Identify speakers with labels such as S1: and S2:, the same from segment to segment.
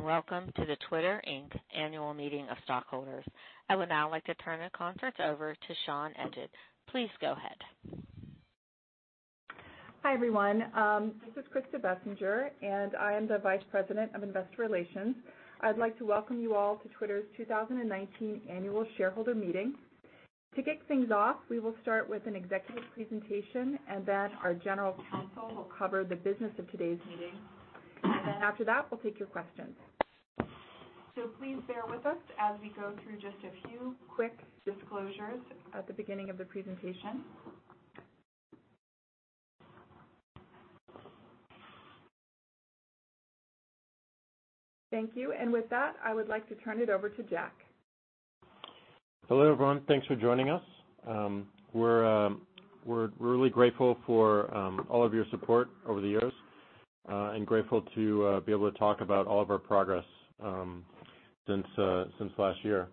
S1: Welcome to the Twitter, Inc. annual meeting of stockholders. I would now like to turn the conference over to Sean Edgett. Please go ahead.
S2: Hi, everyone. This is Krista Bessinger, and I am the Vice President of Investor Relations. I'd like to welcome you all to Twitter's 2019 annual shareholder meeting. To kick things off, we will start with an executive presentation, our General Counsel will cover the business of today's meeting. After that, we'll take your questions. Please bear with us as we go through just a few quick disclosures at the beginning of the presentation. Thank you. With that, I would like to turn it over to Jack.
S3: Hello, everyone. Thanks for joining us. We're really grateful for all of your support over the years, grateful to be able to talk about all of our progress since last year.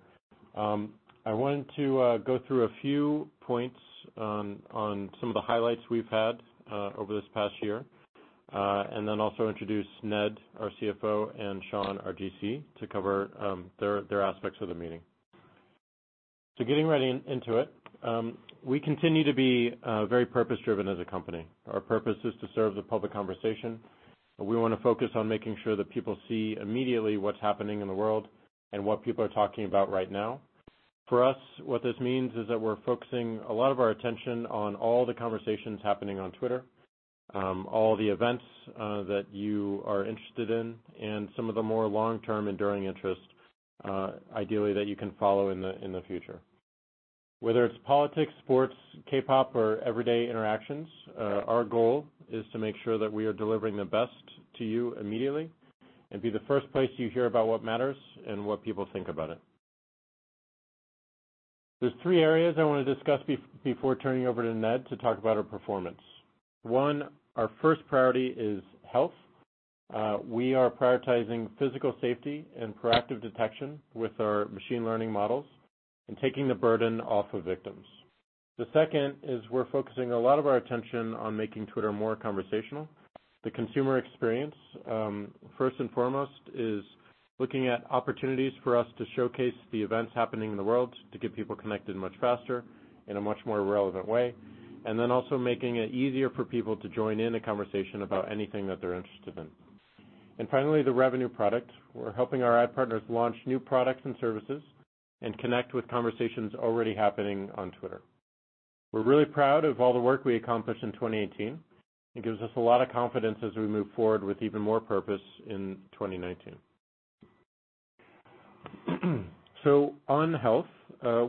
S3: I wanted to go through a few points on some of the highlights we've had over this past year, also introduce Ned, our CFO, and Sean, our GC, to cover their aspects of the meeting. Getting right into it. We continue to be very purpose-driven as a company. Our purpose is to serve the public conversation. We want to focus on making sure that people see immediately what's happening in the world, and what people are talking about right now. For us, what this means is that we're focusing a lot of our attention on all the conversations happening on Twitter, all the events that you are interested in, and some of the more long-term enduring interests, ideally, that you can follow in the future. Whether it's politics, sports, K-pop, or everyday interactions, our goal is to make sure that we are delivering the best to you immediately and be the first place you hear about what matters and what people think about it. There's three areas I want to discuss before turning over to Ned to talk about our performance. One, our first priority is health. We are prioritizing physical safety and proactive detection with our machine learning models and taking the burden off of victims. The second is we're focusing a lot of our attention on making Twitter more conversational. The consumer experience, first and foremost, is looking at opportunities for us to showcase the events happening in the world to get people connected much faster in a much more relevant way. Also making it easier for people to join in a conversation about anything that they're interested in. Finally, the revenue product. We're helping our ad partners launch new products and services and connect with conversations already happening on Twitter. We're really proud of all the work we accomplished in 2018. It gives us a lot of confidence as we move forward with even more purpose in 2019. On health,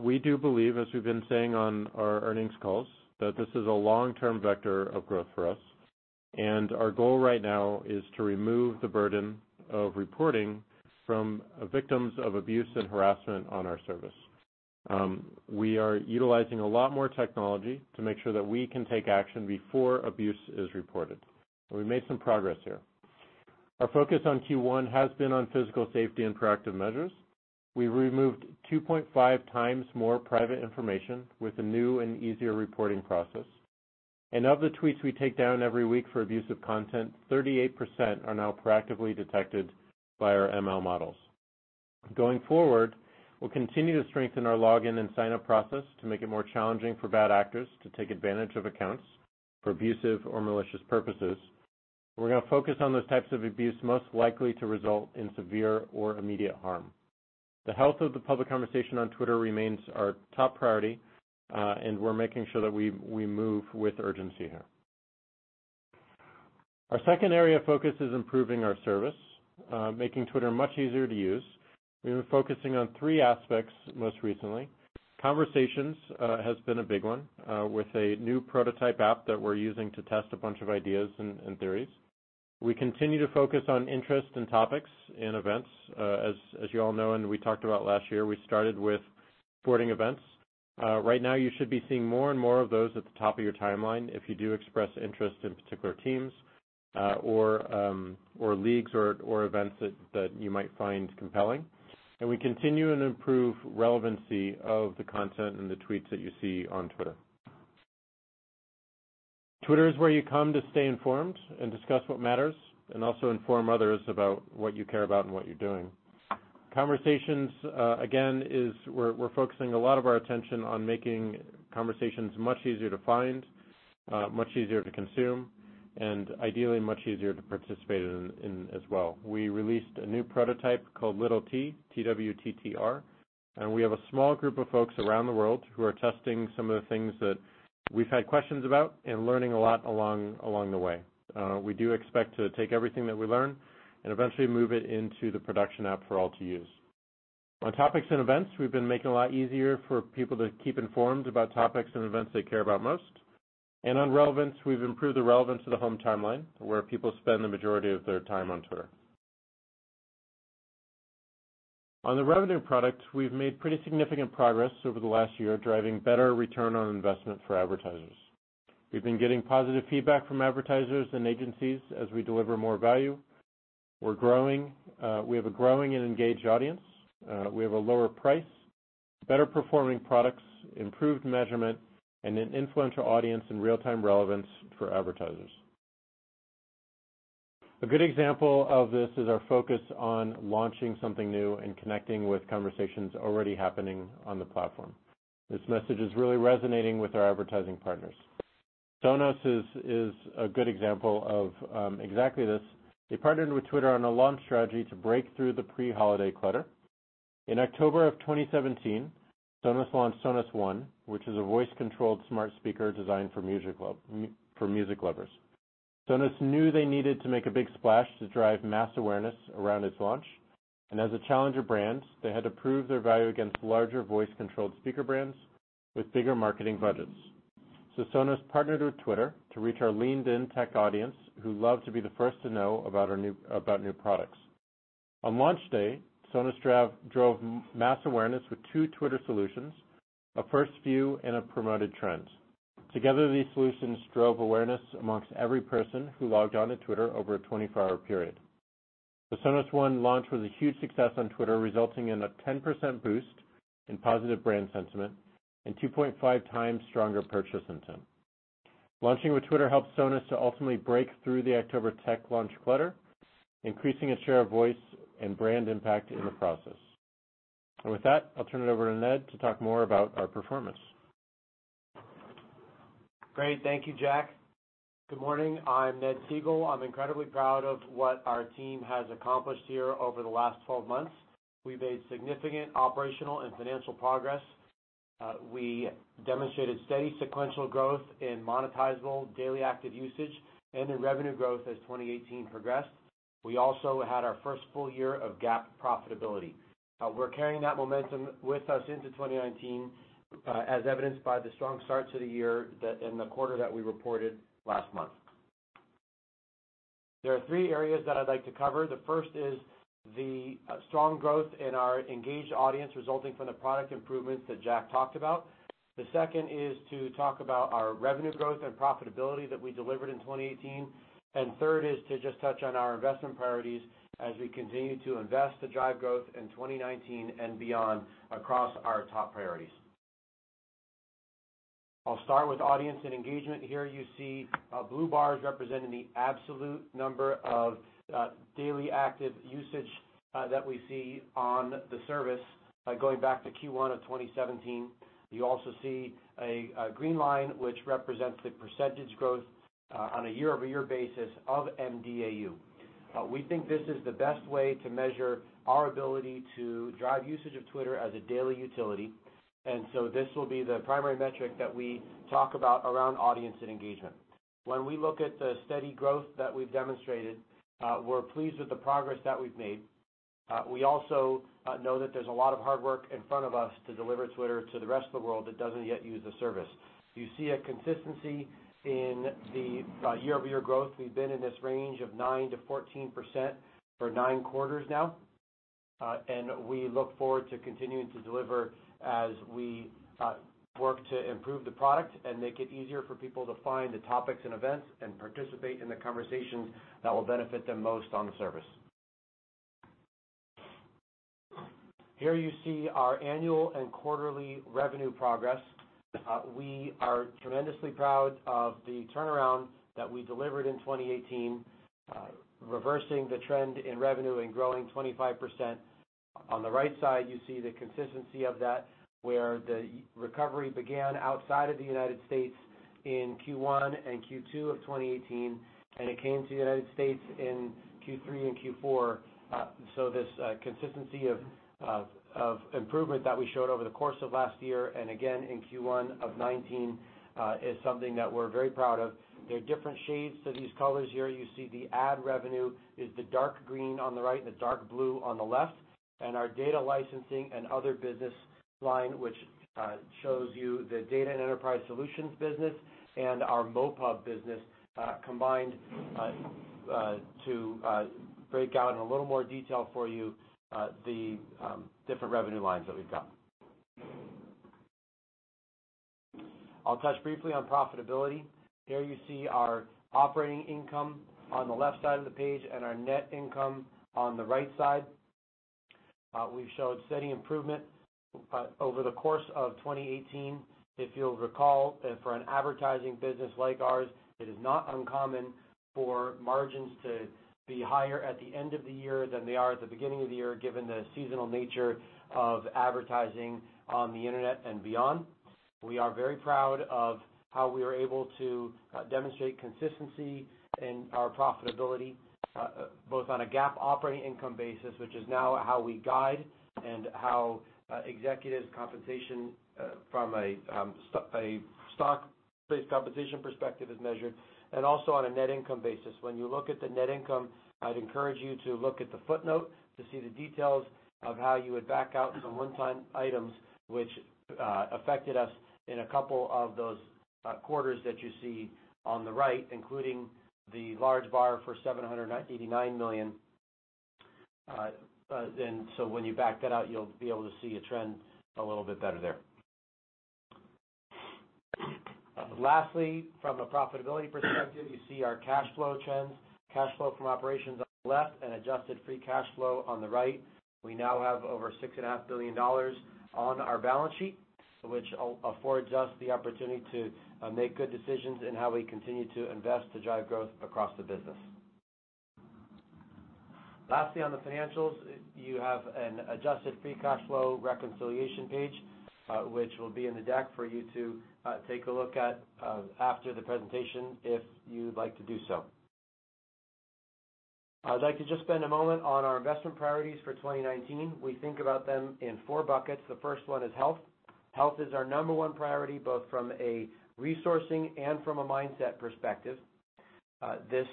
S3: we do believe, as we've been saying on our earnings calls, that this is a long-term vector of growth for us, and our goal right now is to remove the burden of reporting from victims of abuse and harassment on our service. We are utilizing a lot more technology to make sure that we can take action before abuse is reported. We made some progress here. Our focus on Q1 has been on physical safety and proactive measures. We removed 2.5 times more private information with the new and easier reporting process. Of the tweets we take down every week for abusive content, 38% are now proactively detected by our ML models. Going forward, we'll continue to strengthen our login and sign-up process to make it more challenging for bad actors to take advantage of accounts for abusive or malicious purposes. We're going to focus on those types of abuse most likely to result in severe or immediate harm. The health of the public conversation on Twitter remains our top priority, and we're making sure that we move with urgency here. Our second area of focus is improving our service, making Twitter much easier to use. We've been focusing on three aspects most recently. Conversations has been a big one, with a new prototype app that we're using to test a bunch of ideas and theories. We continue to focus on interest in topics and events. As you all know, and we talked about last year, we started with sporting events. Right now, you should be seeing more and more of those at the top of your timeline if you do express interest in particular teams or leagues or events that you might find compelling. We continue and improve relevancy of the content and the tweets that you see on Twitter. Twitter is where you come to stay informed and discuss what matters, and also inform others about what you care about and what you're doing. Conversations, again, is we're focusing a lot of our attention on making conversations much easier to find, much easier to consume, and ideally, much easier to participate in as well. We released a new prototype called Little T, twttr, and we have a small group of folks around the world who are testing some of the things that we've had questions about and learning a lot along the way. We do expect to take everything that we learn and eventually move it into the production app for all to use. On topics and events, we've been making it a lot easier for people to keep informed about topics and events they care about most. On relevance, we've improved the relevance of the home timeline where people spend the majority of their time on Twitter. On the revenue product, we've made pretty significant progress over the last year, driving better ROI for advertisers. We've been getting positive feedback from advertisers and agencies as we deliver more value. We have a growing and engaged audience. We have a lower price, better performing products, improved measurement, and an influential audience and real-time relevance for advertisers. A good example of this is our focus on launching something new and connecting with conversations already happening on the platform. This message is really resonating with our advertising partners. Sonos is a good example of exactly this. They partnered with Twitter on a launch strategy to break through the pre-holiday clutter. In October 2017, Sonos launched Sonos One, which is a voice-controlled smart speaker designed for music lovers. Sonos knew they needed to make a big splash to drive mass awareness around its launch. As a challenger brand, they had to prove their value against larger voice-controlled speaker brands with bigger marketing budgets. Sonos partnered with Twitter to reach our leaned-in tech audience who love to be the first to know about new products. On launch day, Sonos drove mass awareness with two Twitter solutions: a First View and a Promoted Trends. Together, these solutions drove awareness amongst every person who logged on to Twitter over a 24-hour period. The Sonos One launch was a huge success on Twitter, resulting in a 10% boost in positive brand sentiment and 2.5 times stronger purchase intent. Launching with Twitter helped Sonos to ultimately break through the October tech launch clutter, increasing its share of voice and brand impact in the process. With that, I'll turn it over to Ned to talk more about our performance.
S4: Great. Thank you, Jack. Good morning. I'm Ned Segal. I'm incredibly proud of what our team has accomplished here over the last 12 months. We've made significant operational and financial progress. We demonstrated steady sequential growth in monetizable daily active usage and in revenue growth as 2018 progressed. We also had our first full year of GAAP profitability. We're carrying that momentum with us into 2019, as evidenced by the strong start to the year in the quarter that we reported last month. There are three areas that I'd like to cover. The first is the strong growth in our engaged audience resulting from the product improvements that Jack talked about. The second is to talk about our revenue growth and profitability that we delivered in 2018. Third is to just touch on our investment priorities as we continue to invest to drive growth in 2019 and beyond across our top priorities. I'll start with audience and engagement. Here you see blue bars representing the absolute number of daily active usage that we see on the service by going back to Q1 2017. You also see a green line, which represents the percentage growth on a year-over-year basis of MDAU. We think this is the best way to measure our ability to drive usage of Twitter as a daily utility. This will be the primary metric that we talk about around audience and engagement. When we look at the steady growth that we've demonstrated, we're pleased with the progress that we've made. We also know that there's a lot of hard work in front of us to deliver Twitter to the rest of the world that doesn't yet use the service. You see a consistency in the year-over-year growth. We've been in this range of nine to 14% for nine quarters now. We look forward to continuing to deliver as we work to improve the product and make it easier for people to find the topics and events and participate in the conversations that will benefit them most on the service. Here you see our annual and quarterly revenue progress. We are tremendously proud of the turnaround that we delivered in 2018, reversing the trend in revenue and growing 25%. On the right side, you see the consistency of that, where the recovery began outside of the United States in Q1 and Q2 of 2018, and it came to the United States in Q3 and Q4. This consistency of improvement that we showed over the course of last year and again in Q1 of 2019 is something that we're very proud of. There are different shades to these colors here. You see the ad revenue is the dark green on the right and the dark blue on the left. Our data licensing and other business line, which shows you the data and enterprise solutions business and our MoPub business combined to break out in a little more detail for you the different revenue lines that we've got. I'll touch briefly on profitability. Here you see our operating income on the left side of the page and our net income on the right side. We've showed steady improvement over the course of 2018. If you'll recall that for an advertising business like ours, it is not uncommon for margins to be higher at the end of the year than they are at the beginning of the year, given the seasonal nature of advertising on the internet and beyond. We are very proud of how we are able to demonstrate consistency in our profitability, both on a GAAP operating income basis, which is now how we guide and how executives' compensation from a stock-based compensation perspective is measured, and also on a net income basis. When you look at the net income, I'd encourage you to look at the footnote to see the details of how you would back out some one-time items which affected us in a couple of those quarters that you see on the right, including the large bar for $789 million. When you back that out, you'll be able to see a trend a little bit better there. Lastly, from a profitability perspective, you see our cash flow trends, cash flow from operations on the left and adjusted free cash flow on the right. We now have over six and a half billion dollars on our balance sheet, which affords us the opportunity to make good decisions in how we continue to invest to drive growth across the business. On the financials, you have an adjusted free cash flow reconciliation page, which will be in the deck for you to take a look at after the presentation if you'd like to do so. I'd like to just spend a moment on our investment priorities for 2019. We think about them in four buckets. The first one is health. Health is our number one priority, both from a resourcing and from a mindset perspective. This,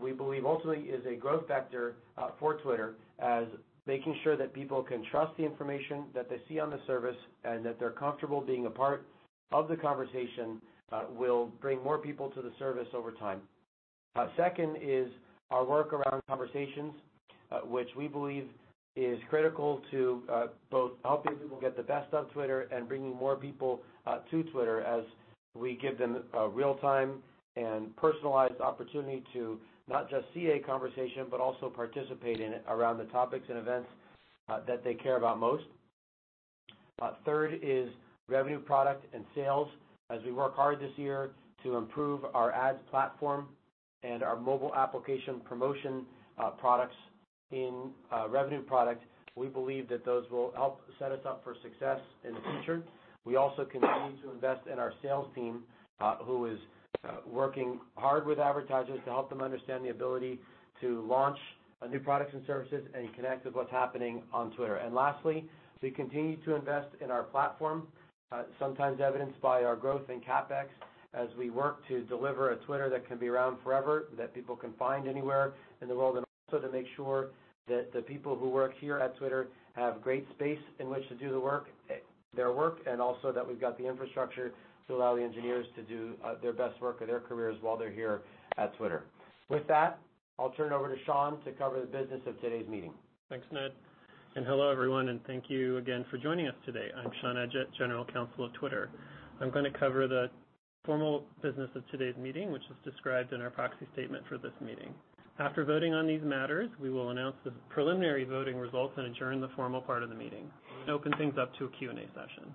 S4: we believe, ultimately is a growth vector for Twitter, as making sure that people can trust the information that they see on the service, and that they're comfortable being a part of the conversation, will bring more people to the service over time. Second is our work around conversations, which we believe is critical to both helping people get the best of Twitter and bringing more people to Twitter as we give them a real-time and personalized opportunity to not just see a conversation, but also participate in it around the topics and events that they care about most. Third is revenue product and sales, as we work hard this year to improve our ads platform and our mobile application promotion products in revenue product. We believe that those will help set us up for success in the future. We also continue to invest in our sales team, who is working hard with advertisers to help them understand the ability to launch new products and services and connect with what's happening on Twitter. Lastly, we continue to invest in our platform, sometimes evidenced by our growth in CapEx, as we work to deliver a Twitter that can be around forever, that people can find anywhere in the world, and also to make sure that the people who work here at Twitter have great space in which to do their work, and also that we've got the infrastructure to allow the engineers to do their best work of their careers while they're here at Twitter. With that, I'll turn it over to Sean to cover the business of today's meeting.
S5: Thanks, Ned. Hello, everyone, and thank you again for joining us today. I'm Sean Edgett, general counsel of Twitter. I'm going to cover the formal business of today's meeting, which is described in our proxy statement for this meeting. After voting on these matters, we will announce the preliminary voting results and adjourn the formal part of the meeting, and open things up to a Q&A session.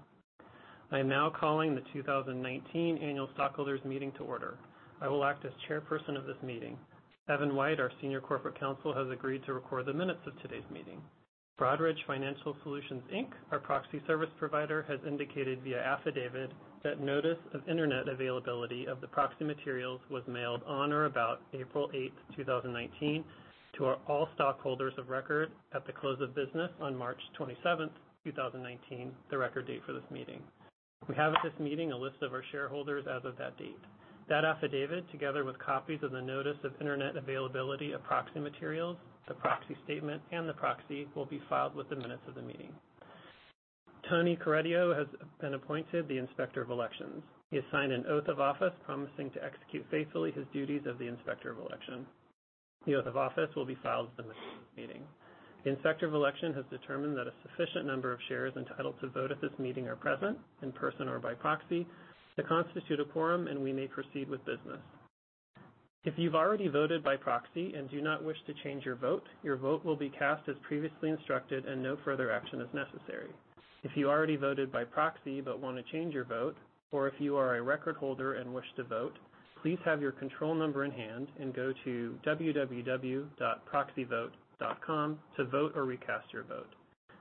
S5: I am now calling the 2019 Annual Stockholders Meeting to order. I will act as chairperson of this meeting. Evan White, our senior corporate counsel, has agreed to record the minutes of today's meeting. Broadridge Financial Solutions, Inc., our proxy service provider, has indicated via affidavit that notice of internet availability of the proxy materials was mailed on or about April 8th, 2019, to all stockholders of record at the close of business on March 27th, 2019, the record date for this meeting. We have at this meeting a list of our shareholders as of that date. That affidavit, together with copies of the notice of internet availability of proxy materials, the proxy statement, and the proxy, will be filed with the minutes of the meeting. Tony Corradino has been appointed the Inspector of Elections. He has signed an oath of office promising to execute faithfully his duties of the Inspector of Election. The oath of office will be filed at the meeting. The Inspector of Election has determined that a sufficient number of shares entitled to vote at this meeting are present, in person or by proxy, to constitute a quorum. We may proceed with business. If you've already voted by proxy and do not wish to change your vote, your vote will be cast as previously instructed and no further action is necessary. If you already voted by proxy but want to change your vote, or if you are a record holder and wish to vote, please have your control number in hand and go to www.proxyvote.com to vote or recast your vote.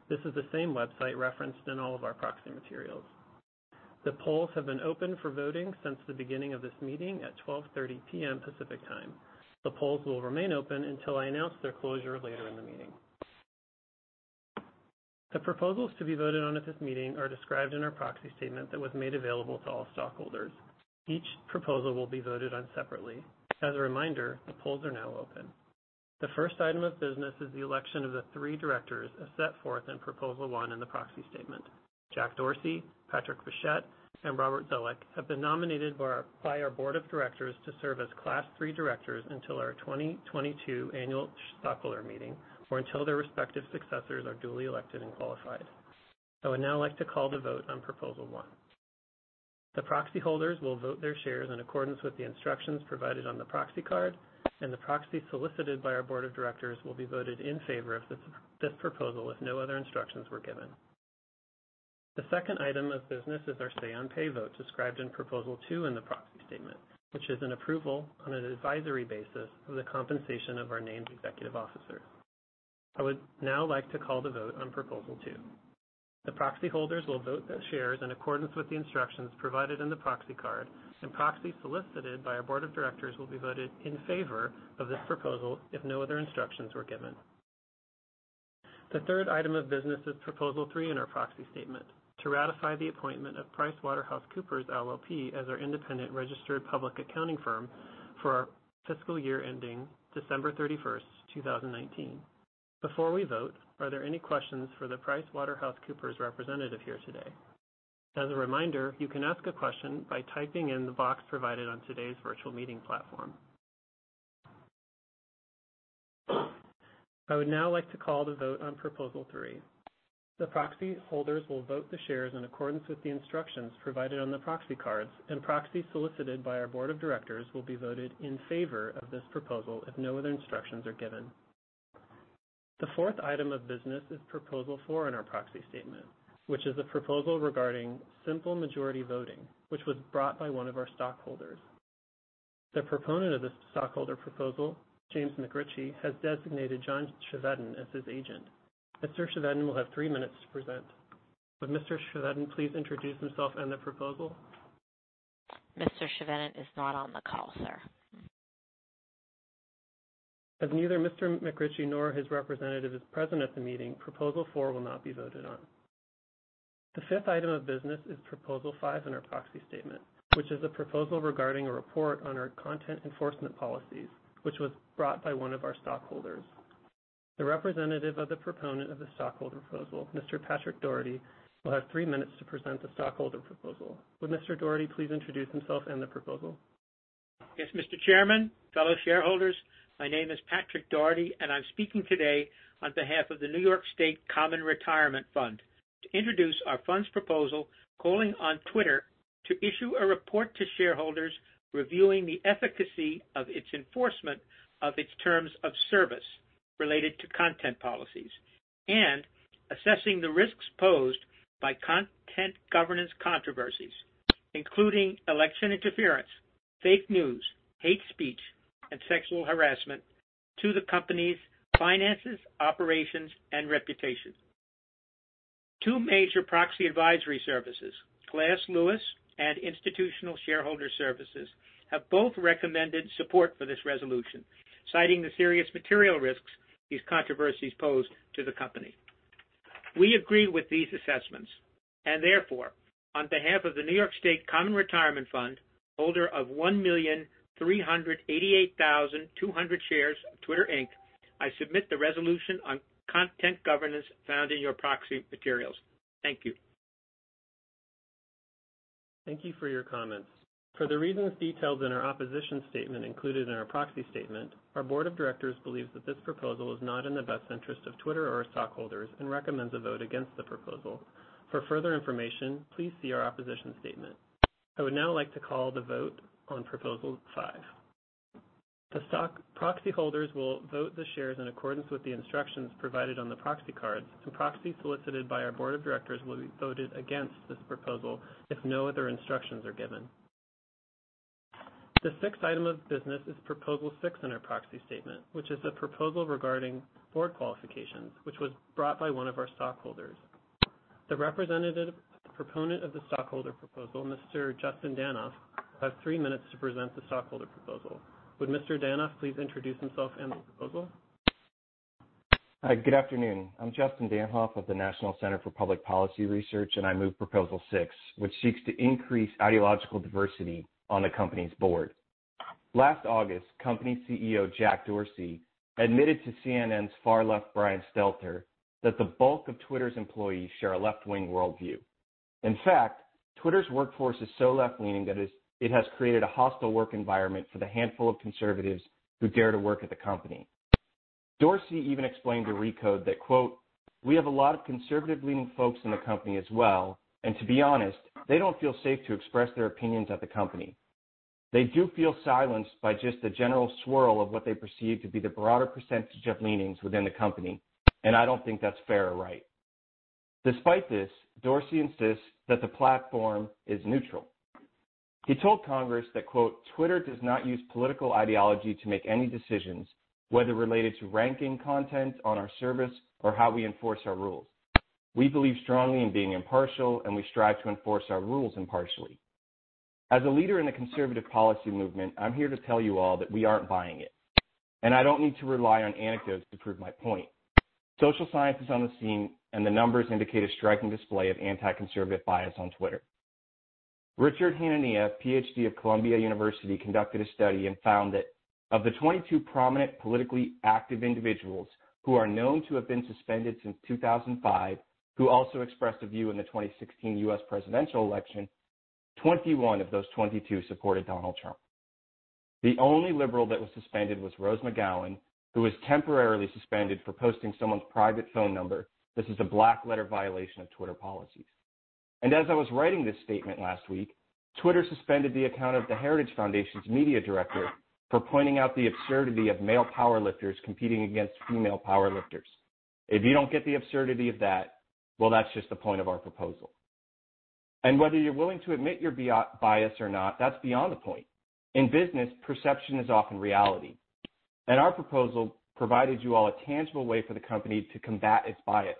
S5: This is the same website referenced in all of our proxy materials. The polls have been open for voting since the beginning of this meeting at 12:30 P.M. Pacific Time. The polls will remain open until I announce their closure later in the meeting. The proposals to be voted on at this meeting are described in our proxy statement that was made available to all stockholders. Each proposal will be voted on separately. As a reminder, the polls are now open. The first item of business is the election of the three directors as set forth in Proposal One in the proxy statement. Jack Dorsey, Patrick Pichette, and Robert Zoellick have been nominated by our board of directors to serve as Class III directors until our 2022 annual stockholder meeting or until their respective successors are duly elected and qualified. I would now like to call the vote on Proposal One. The proxy holders will vote their shares in accordance with the instructions provided on the proxy card, and the proxies solicited by our board of directors will be voted in favor of this proposal if no other instructions were given. The second item of business is our say on pay vote described in Proposal Two in the proxy statement, which is an approval on an advisory basis of the compensation of our named executive officers. I would now like to call the vote on Proposal Two. The proxy holders will vote their shares in accordance with the instructions provided in the proxy card, and proxies solicited by our board of directors will be voted in favor of this proposal if no other instructions were given. The third item of business is Proposal Three in our proxy statement, to ratify the appointment of PricewaterhouseCoopers LLP, as our independent registered public accounting firm for our fiscal year ending December 31st, 2019. Before we vote, are there any questions for the PricewaterhouseCoopers representative here today? As a reminder, you can ask a question by typing in the box provided on today's virtual meeting platform. I would now like to call the vote on Proposal Three. The proxy holders will vote the shares in accordance with the instructions provided on the proxy cards, and proxies solicited by our board of directors will be voted in favor of this proposal if no other instructions are given. The fourth item of business is Proposal Four in our proxy statement, which is a proposal regarding simple majority voting, which was brought by one of our stockholders. The proponent of this stockholder proposal, James McRitchie, has designated John Chevedden as his agent. Mr. Chevedden will have three minutes to present. Would Mr. Chevedden please introduce himself and the proposal?
S1: Mr. Chevedden is not on the call, sir.
S5: As neither Mr. McRitchie nor his representative is present at the meeting, Proposal Four will not be voted on. The fifth item of business is Proposal Five in our proxy statement, which is a proposal regarding a report on our content enforcement policies, which was brought by one of our stockholders. The representative of the proponent of the stockholder proposal, Mr. Patrick Dougherty, will have three minutes to present the stockholder proposal. Would Mr. Dougherty please introduce himself and the proposal?
S6: Yes, Mr. Chairman, fellow shareholders, my name is Patrick Dougherty, and I'm speaking today on behalf of the New York State Common Retirement Fund to introduce our fund's proposal calling on Twitter to issue a report to shareholders reviewing the efficacy of its enforcement of its terms of service related to content policies and assessing the risks posed by content governance controversies, including election interference, fake news, hate speech, and sexual harassment to the company's finances, operations, and reputation. Two major proxy advisory services, Glass Lewis and Institutional Shareholder Services, have both recommended support for this resolution, citing the serious material risks these controversies pose to the company. We agree with these assessments. Therefore, on behalf of the New York State Common Retirement Fund, holder of 1,388,200 shares of Twitter, Inc., I submit the resolution on content governance found in your proxy materials. Thank you.
S5: Thank you for your comments. For the reasons detailed in our opposition statement included in our proxy statement, our board of directors believes that this proposal is not in the best interest of Twitter or our stockholders and recommends a vote against the proposal. For further information, please see our opposition statement. I would now like to call the vote on Proposal Five. The proxy holders will vote the shares in accordance with the instructions provided on the proxy cards. Proxies solicited by our board of directors will be voted against this proposal if no other instructions are given. The sixth item of business is Proposal Six in our proxy statement, which is a proposal regarding board qualifications, which was brought by one of our stockholders. The representative proponent of the stockholder proposal, Mr. Justin Danhof, has three minutes to present the stockholder proposal. Would Mr. Danhof please introduce himself and the proposal?
S7: Good afternoon. I'm Justin Danhof of the National Center for Public Policy Research. I move Proposal Six, which seeks to increase ideological diversity on the company's board. Last August, company CEO Jack Dorsey admitted to CNN's far-left Brian Stelter that the bulk of Twitter's employees share a left-wing worldview. In fact, Twitter's workforce is so left-leaning that it has created a hostile work environment for the handful of conservatives who dare to work at the company. Dorsey even explained to Recode that, quote, "We have a lot of conservative-leaning folks in the company as well, and to be honest, they don't feel safe to express their opinions at the company. They do feel silenced by just the general swirl of what they perceive to be the broader percentage of leanings within the company, and I don't think that's fair or right." Despite this, Dorsey insists that the platform is neutral. He told Congress that, quote, "Twitter does not use political ideology to make any decisions, whether related to ranking content on our service or how we enforce our rules. We believe strongly in being impartial, and we strive to enforce our rules impartially." As a leader in the conservative policy movement, I'm here to tell you all that we aren't buying it, I don't need to rely on anecdotes to prove my point. Social science is on the scene, the numbers indicate a striking display of anti-conservative bias on Twitter. Richard Hanania, PhD of Columbia University, conducted a study and found that of the 22 prominent politically active individuals who are known to have been suspended since 2005, who also expressed a view in the 2016 U.S. presidential election, 21 of those 22 supported Donald Trump. The only liberal that was suspended was Rose McGowan, who was temporarily suspended for posting someone's private phone number. This is a black letter violation of Twitter policies. As I was writing this statement last week, Twitter suspended the account of the Heritage Foundation's media director for pointing out the absurdity of male powerlifters competing against female powerlifters. If you don't get the absurdity of that, well, that's just the point of our proposal. Whether you're willing to admit your bias or not, that's beyond the point. In business, perception is often reality, our proposal provided you all a tangible way for the company to combat its bias.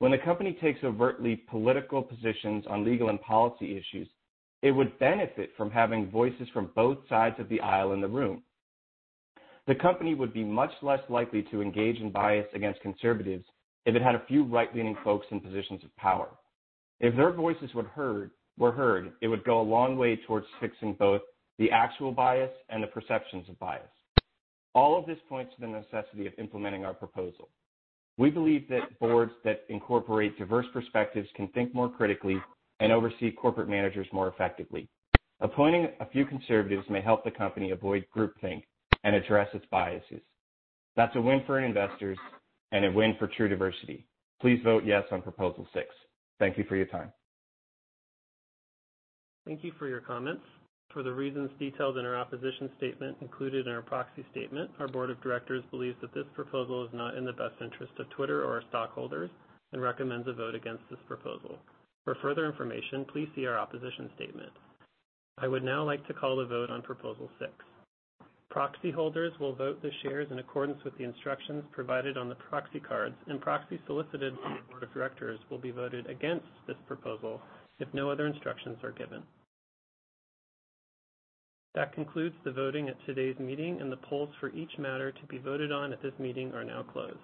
S7: When the company takes overtly political positions on legal and policy issues, it would benefit from having voices from both sides of the aisle in the room. The company would be much less likely to engage in bias against conservatives if it had a few right-leaning folks in positions of power. If their voices were heard, it would go a long way towards fixing both the actual bias and the perceptions of bias. All of this points to the necessity of implementing our proposal. We believe that boards that incorporate diverse perspectives can think more critically and oversee corporate managers more effectively. Appointing a few conservatives may help the company avoid groupthink and address its biases. That's a win for investors and a win for true diversity. Please vote yes on Proposal 6. Thank you for your time.
S5: Thank you for your comments. For the reasons detailed in our opposition statement included in our proxy statement, our board of directors believes that this proposal is not in the best interest of Twitter or our stockholders, and recommends a vote against this proposal. For further information, please see our opposition statement. I would now like to call the vote on Proposal 6. Proxy holders will vote the shares in accordance with the instructions provided on the proxy cards, and proxies solicited from the board of directors will be voted against this proposal if no other instructions are given. That concludes the voting at today's meeting, and the polls for each matter to be voted on at this meeting are now closed.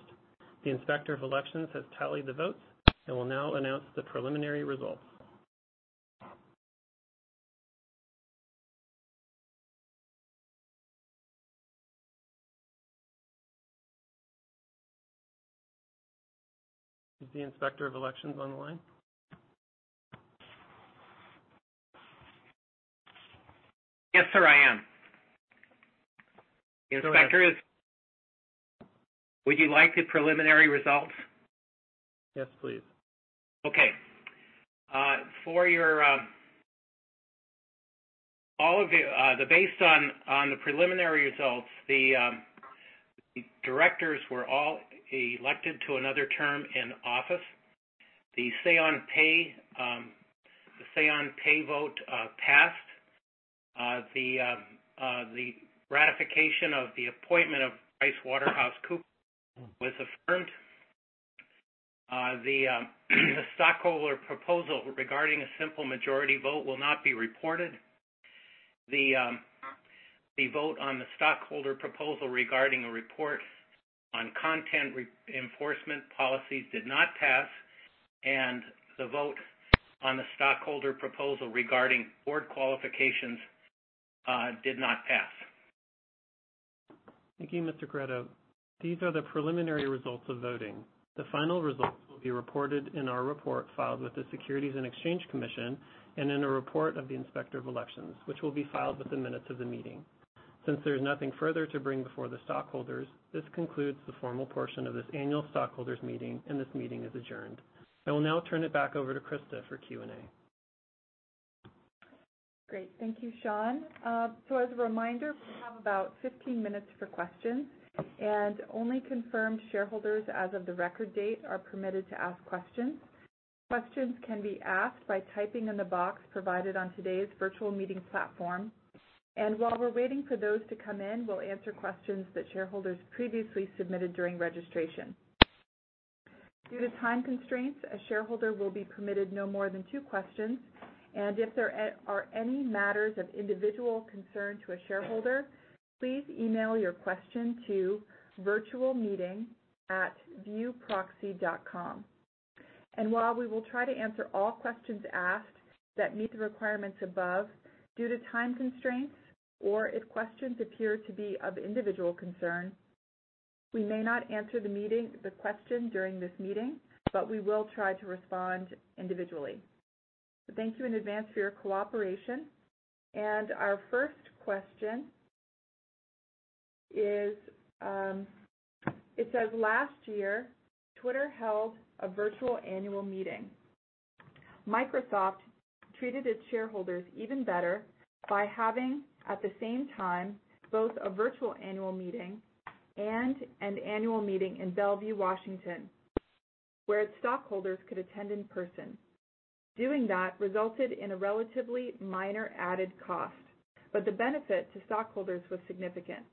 S5: The Inspector of Elections has tallied the votes and will now announce the preliminary results. Is the Inspector of Elections on the line? Yes, sir, I am. Go ahead. Would you like the preliminary results? Yes, please. Okay. Based on the preliminary results, the directors were all elected to another term in office. The say on pay vote passed. The ratification of the appointment of PricewaterhouseCoopers was affirmed. The stockholder proposal regarding a simple majority vote will not be reported. The vote on the stockholder proposal regarding a report on content enforcement policies did not pass. The vote on the stockholder proposal regarding board qualifications did not pass. Thank you, Mr. Corradino. These are the preliminary results of voting. The final results will be reported in our report filed with the Securities and Exchange Commission, in a report of the Inspector of Elections, which will be filed with the minutes of the meeting. Since there is nothing further to bring before the stockholders, this concludes the formal portion of this annual stockholders meeting. This meeting is adjourned. I will now turn it back over to Krista for Q&A.
S2: Great. Thank you, Sean. As a reminder, we have about 15 minutes for questions, and only confirmed shareholders as of the record date are permitted to ask questions. Questions can be asked by typing in the box provided on today's virtual meeting platform. While we're waiting for those to come in, we'll answer questions that shareholders previously submitted during registration. Due to time constraints, a shareholder will be permitted no more than two questions, and if there are any matters of individual concern to a shareholder, please email your question to virtualmeeting@viewproxy.com. While we will try to answer all questions asked that meet the requirements above, due to time constraints or if questions appear to be of individual concern, we may not answer the question during this meeting, but we will try to respond individually. Thank you in advance for your cooperation. Our first question says, "Last year, Twitter held a virtual annual meeting. Microsoft treated its shareholders even better by having, at the same time, both a virtual annual meeting and an annual meeting in Bellevue, Washington, where its stockholders could attend in person. Doing that resulted in a relatively minor added cost, but the benefit to stockholders was significant.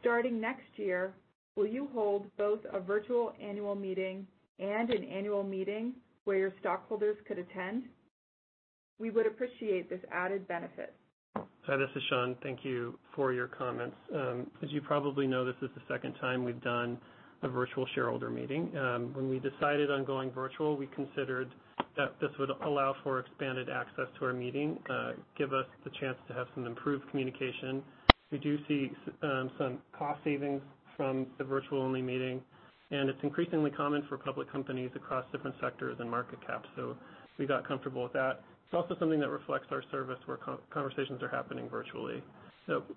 S2: Starting next year, will you hold both a virtual annual meeting and an annual meeting where your stockholders could attend? We would appreciate this added benefit.
S5: Hi, this is Sean. Thank you for your comments. As you probably know, this is the second time we've done a virtual shareholder meeting. When we decided on going virtual, we considered that this would allow for expanded access to our meeting, give us the chance to have some improved communication. We do see some cost savings from the virtual-only meeting, and it's increasingly common for public companies across different sectors and market caps. We got comfortable with that. It's also something that reflects our service, where conversations are happening virtually.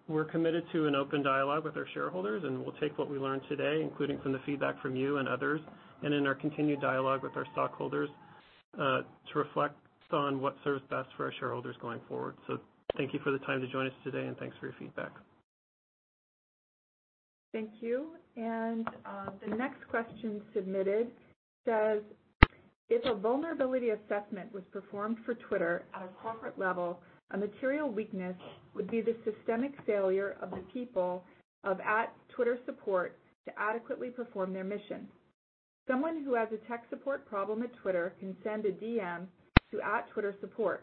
S5: We're committed to an open dialogue with our shareholders, and we'll take what we learned today, including from the feedback from you and others, and in our continued dialogue with our stockholders, to reflect on what serves best for our shareholders going forward. Thank you for the time to join us today, and thanks for your feedback.
S2: Thank you. The next question submitted says, "If a vulnerability assessment was performed for Twitter at a corporate level, a material weakness would be the systemic failure of the people of @TwitterSupport to adequately perform their mission. Someone who has a tech support problem at Twitter can send a DM to @TwitterSupport.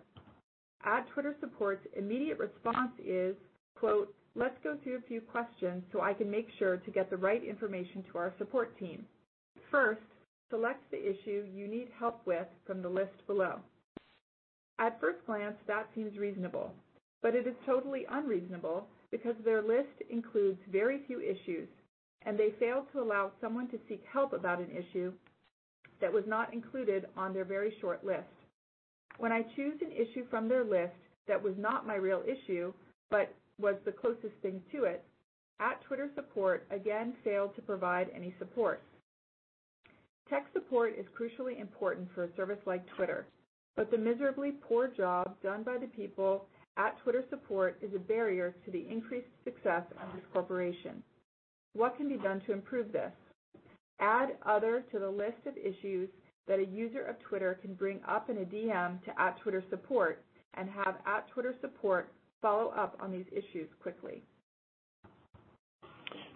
S2: @TwitterSupport's immediate response is, quote, 'Let's go through a few questions so I can make sure to get the right information to our support team. First, select the issue you need help with from the list below.' At first glance, that seems reasonable, but it is totally unreasonable because their list includes very few issues, and they fail to allow someone to seek help about an issue that was not included on their very short list. When I choose an issue from their list that was not my real issue, but was the closest thing to it, @TwitterSupport again failed to provide any support. Tech support is crucially important for a service like Twitter, but the miserably poor job done by the people at Twitter Support is a barrier to the increased success of this corporation. What can be done to improve this? Add Other to the list of issues that a user of Twitter can bring up in a DM to @TwitterSupport and have @TwitterSupport follow up on these issues quickly.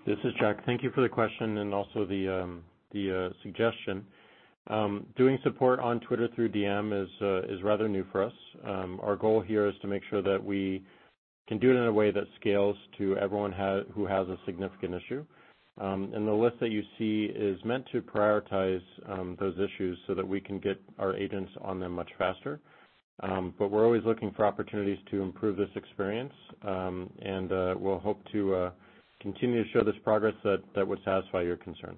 S3: This is Jack. Thank you for the question and also the suggestion. Doing support on Twitter through DM is rather new for us. Our goal here is to make sure that we can do it in a way that scales to everyone who has a significant issue. The list that you see is meant to prioritize those issues so that we can get our agents on them much faster. We're always looking for opportunities to improve this experience, and we'll hope to continue to show this progress that would satisfy your concern.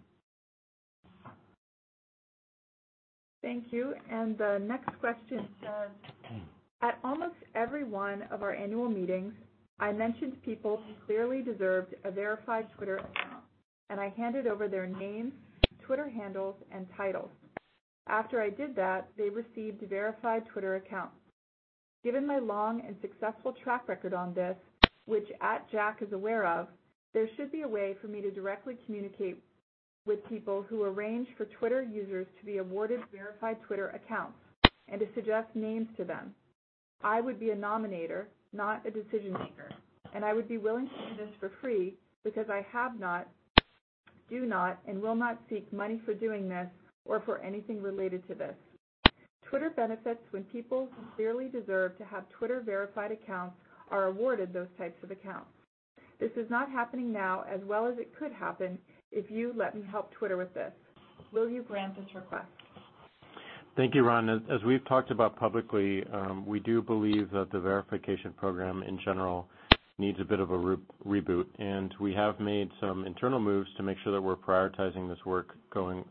S2: Thank you. The next question says, "At almost every one of our annual meetings, I mentioned people who clearly deserved a verified Twitter account, and I handed over their names, Twitter handles, and titles. After I did that, they received verified Twitter accounts. Given my long and successful track record on this, which @Jack is aware of, there should be a way for me to directly communicate with people who arrange for Twitter users to be awarded verified Twitter accounts and to suggest names to them. I would be a nominator, not a decision maker, and I would be willing to do this for free because I have not, do not, and will not seek money for doing this or for anything related to this. Twitter benefits when people who clearly deserve to have Twitter-verified accounts are awarded those types of accounts. This is not happening now as well as it could happen if you let me help Twitter with this. Will you grant this request?
S3: Thank you, Ron. As we've talked about publicly, we do believe that the verification program in general needs a bit of a reboot, and we have made some internal moves to make sure that we're prioritizing this work going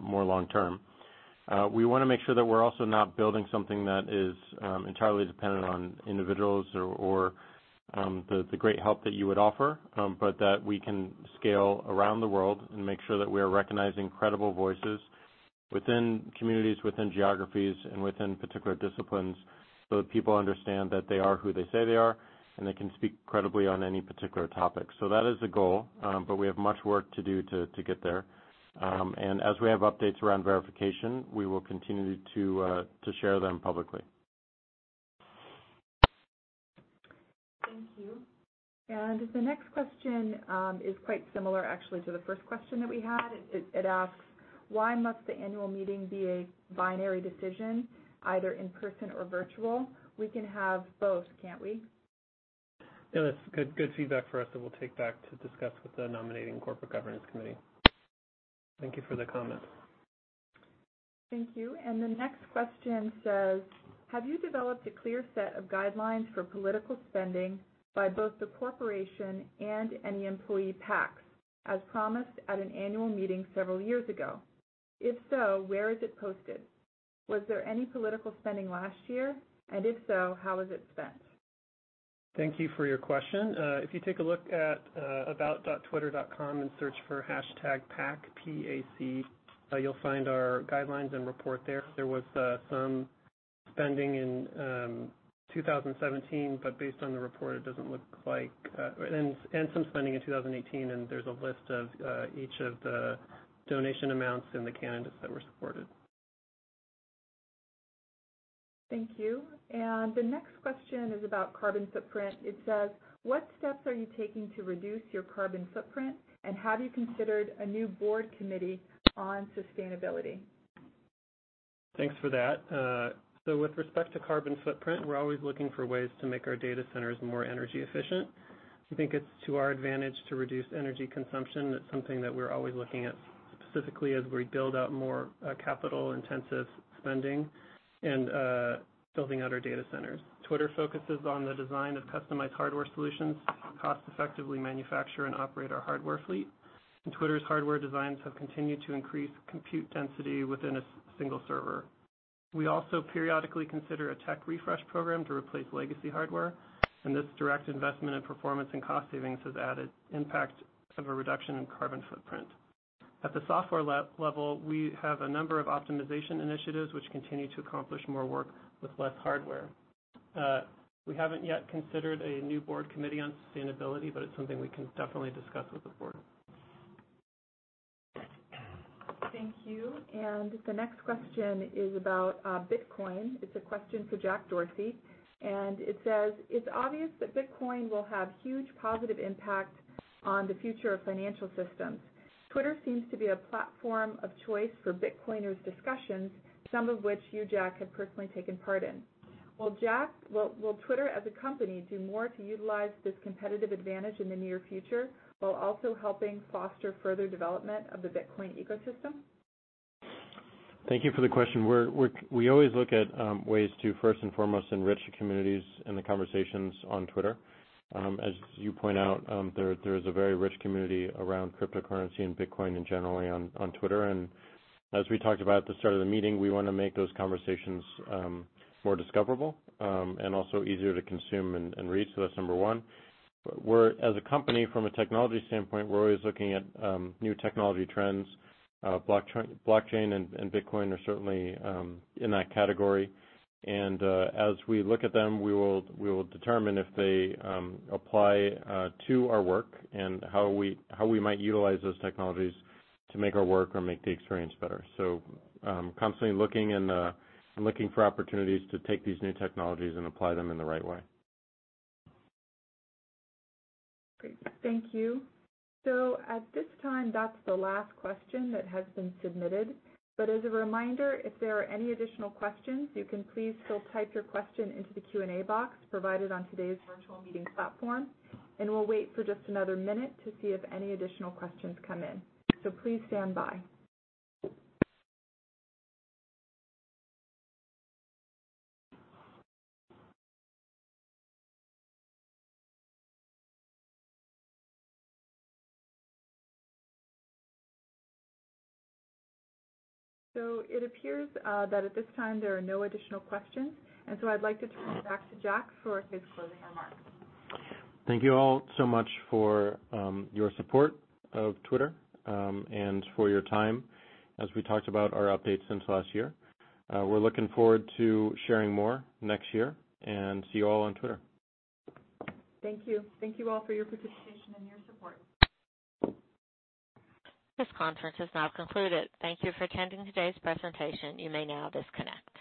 S3: more long term. We want to make sure that we're also not building something that is entirely dependent on individuals or the great help that you would offer, but that we can scale around the world and make sure that we are recognizing credible voices within communities, within geographies, and within particular disciplines so that people understand that they are who they say they are, and they can speak credibly on any particular topic. That is a goal, but we have much work to do to get there. As we have updates around verification, we will continue to share them publicly.
S2: Thank you. The next question is quite similar actually to the first question that we had. It asks, "Why must the annual meeting be a binary decision either in person or virtual? We can have both, can't we?
S5: Yeah, that's good feedback for us that we'll take back to discuss with the nominating corporate governance committee. Thank you for the comment.
S2: Thank you. The next question says, "Have you developed a clear set of guidelines for political spending by both the corporation and any employee PACs, as promised at an annual meeting several years ago? If so, where is it posted? Was there any political spending last year, and if so, how was it spent?
S5: Thank you for your question. If you take a look at about.twitter.com and search for #PAC, P-A-C, you'll find our guidelines and report there. There was some spending in 2017, but based on the report. Some spending in 2018, and there's a list of each of the donation amounts and the candidates that were supported.
S2: Thank you. The next question is about carbon footprint. It says, "What steps are you taking to reduce your carbon footprint, and have you considered a new board committee on sustainability?
S5: Thanks for that. With respect to carbon footprint, we're always looking for ways to make our data centers more energy efficient. We think it's to our advantage to reduce energy consumption. That's something that we're always looking at specifically as we build out more capital-intensive spending and building out our data centers. Twitter focuses on the design of customized hardware solutions to cost effectively manufacture and operate our hardware fleet, and Twitter's hardware designs have continued to increase compute density within a single server. We also periodically consider a tech refresh program to replace legacy hardware, and this direct investment in performance and cost savings has added impact of a reduction in carbon footprint. At the software level, we have a number of optimization initiatives which continue to accomplish more work with less hardware. We haven't yet considered a new board committee on sustainability, but it's something we can definitely discuss with the board.
S2: Thank you. The next question is about Bitcoin. It's a question for Jack Dorsey. It says, "It's obvious that Bitcoin will have huge positive impact on the future of financial systems. Twitter seems to be a platform of choice for Bitcoiners discussions, some of which you, Jack, have personally taken part in. Will Twitter as a company do more to utilize this competitive advantage in the near future while also helping foster further development of the Bitcoin ecosystem?
S3: Thank you for the question. We always look at ways to, first and foremost, enrich the communities and the conversations on Twitter. As you point out, there is a very rich community around cryptocurrency and Bitcoin in general on Twitter. As we talked about at the start of the meeting, we want to make those conversations more discoverable, and also easier to consume and read. That's number one. As a company, from a technology standpoint, we're always looking at new technology trends. Blockchain and Bitcoin are certainly in that category. As we look at them, we will determine if they apply to our work and how we might utilize those technologies to make our work or make the experience better. Constantly looking for opportunities to take these new technologies and apply them in the right way.
S2: Great. Thank you. At this time, that's the last question that has been submitted. As a reminder, if there are any additional questions, you can please still type your question into the Q&A box provided on today's virtual meeting platform, and we'll wait for just another minute to see if any additional questions come in. Please stand by. It appears that at this time, there are no additional questions. I'd like to turn it back to Jack for his closing remarks.
S3: Thank you all so much for your support of Twitter, and for your time as we talked about our updates since last year. We're looking forward to sharing more next year and see you all on Twitter.
S2: Thank you. Thank you all for your participation and your support.
S1: This conference is now concluded. Thank you for attending today's presentation. You may now disconnect.